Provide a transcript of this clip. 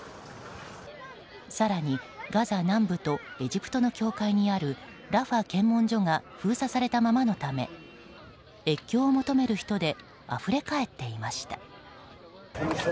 更に、ガザ南部とエジプトの境界にあるラファ検問所が封鎖されたままのため越境を求める人であふれかえっていました。